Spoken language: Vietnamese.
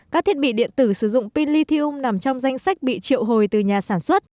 các thiết bị điện tử sử dụng pin lithium nằm trong danh sách bị triệu hồi từ nhà sản xuất